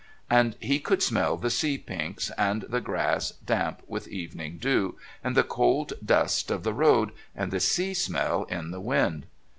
And he could smell the sea pinks and the grass damp with evening dew, and the cold dust of the road, and the sea smell in the wind.